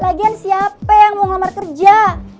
lagian siapa yang mau ngelamar kerja